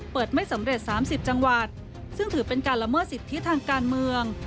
ไม่สำเร็จ๓๐จังหวัดซึ่งถือเป็นการละเมิดสิทธิทางการเมือง